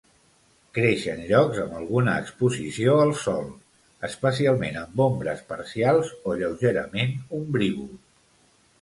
Creix en llocs amb alguna exposició al sol, especialment amb ombres parcials o lleugerament ombrívol.